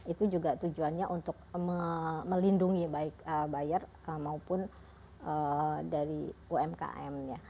itu juga tujuannya untuk melindungi baik buyer maupun dari umkm ya